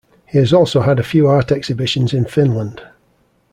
He has also had a few art exhibitions in Finland.